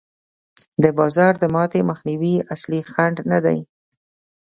د بازار د ماتې مخنیوی اصلي خنډ نه دی.